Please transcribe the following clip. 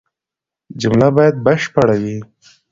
جمله بايد بشپړه وي.